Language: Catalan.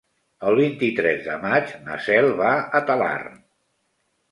El vint-i-tres de maig na Cel va a Talarn.